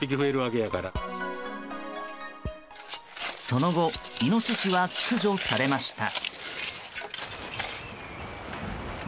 その後、イノシシは駆除されました。